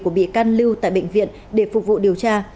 của bị can lưu tại bệnh viện để phục vụ điều tra